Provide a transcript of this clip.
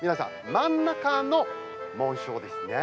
真ん中の紋章ですね。